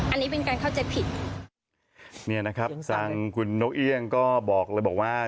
อันนี้เป็นการเข้าใจผิดเนี่ยนะครับทางคุณนกเอี่ยงก็บอกเลยบอกว่า